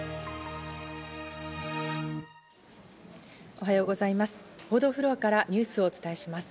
おはようございます。